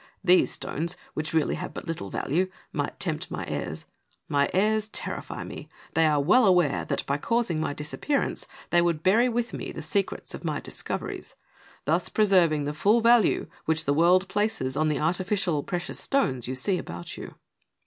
These stones, which really have but little value, might tempt my heirs. My heirs terrify me ; they are well aware that, by causing my disappear ance, they would bury with me the secrets of my dis coveries, thus preserving the full value which the world places on the artificial precious stones you see about you."